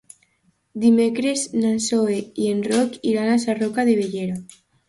Dimecres na Zoè i en Roc iran a Sarroca de Bellera.